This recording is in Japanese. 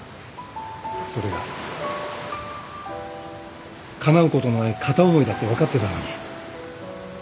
それがかなうことのない片思いだって分かってたのに。